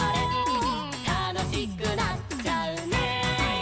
「たのしくなっちゃうね」